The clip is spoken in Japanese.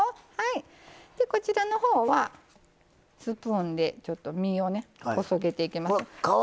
こちらのほうはスプーンで実をねこそげていきます。